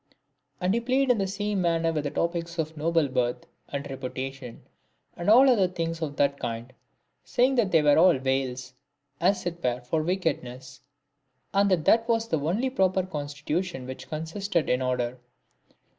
And he played in the same manner with the topics of noble birth, and reputation, and all things of that kind, saying that they were all veils, as it were, for wickedness ; and that that was the only proper constitution which consisted, in order.